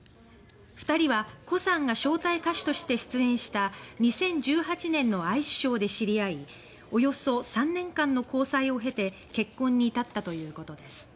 ２人はコさんが招待歌手として出演した２０１８年のアイスショーで知り合いおよそ３年間の交際を経て結婚に至ったということです。